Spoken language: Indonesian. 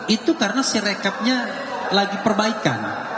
itu karena sirekapnya lagi perbaikan